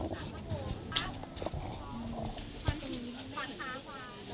เจอเฉยด้วย